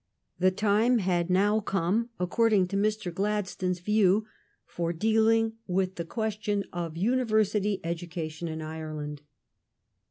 The time had now come, according to Mr. Glad stones view, for dealing with the question of uni versity education in Ireland.